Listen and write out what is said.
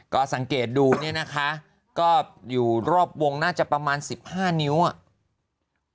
ก็สังเกตดูเนี่ยนะคะก็อยู่รอบวงน่าจะประมาณ๑๕นิ้วอ่ะ